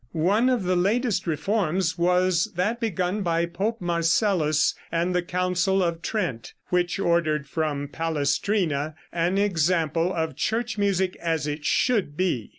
One of the latest reforms was that begun by Pope Marcellus and the Council of Trent, which ordered from Palestrina an example of church music as it should be.